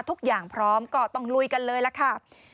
ทุกอย่างพร้อมก็ต้องลุยกันเลยล่ะค่ะ